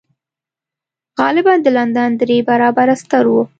غالباً د لندن درې برابره ستر و.